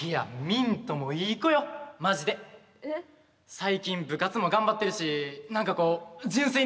最近部活も頑張ってるし何かこう純粋に。